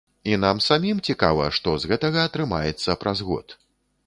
І нам самім цікава, што з гэтага атрымаецца праз год.